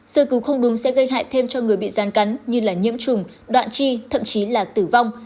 sơ cứu không đúng sẽ gây hại thêm cho người bị rán cắn như là nhiễm trùng đoạn chi thậm chí là tử vong